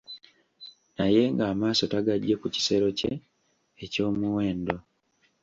Naye ng'amaaso tagaggye ku kisero kye eky'omuwendo.